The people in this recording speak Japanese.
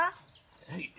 はい。